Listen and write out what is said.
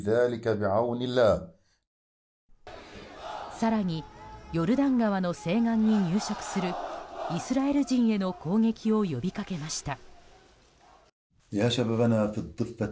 更に、ヨルダン川の西岸に入植するイスラエル人への攻撃を呼びかけました。